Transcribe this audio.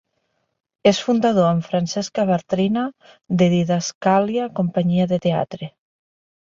És fundador, amb Francesca Bartrina, de Didascàlia Companyia de Teatre.